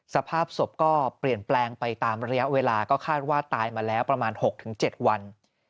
สภาพศพก็เปลี่ยนแปลงไปตามระยะเวลาก็คาดว่าตายมาแล้วประมาณ๖๗วัน